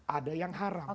ada yang haram